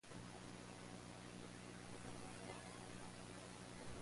They called it a 'Pilgrimage for peace'.